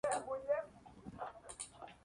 Idol Attack!